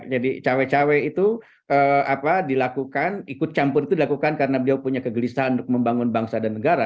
jadi cewek cewek itu apa dilakukan ikut campur itu dilakukan karena beliau punya kegelisahan untuk membangun bangsa dan negara